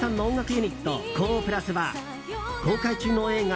ユニットＫＯＨ＋は公開中の映画